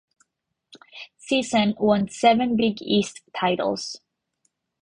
Sisson won seven Big East titles.